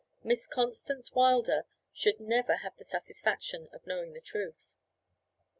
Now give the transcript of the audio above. Miss Constance Wilder should never have the satisfaction of knowing the truth.